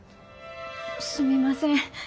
すみません。